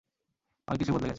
অনেক কিছুই বদলে গেছে।